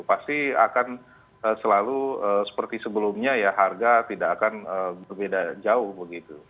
pasti akan selalu seperti sebelumnya ya harga tidak akan berbeda jauh begitu